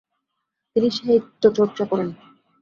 তিনি সাহিত্য চর্চা করেন।